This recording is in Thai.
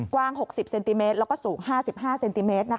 กว้าง๖๐เซนติเมตรแล้วก็สูง๕๕เซนติเมตร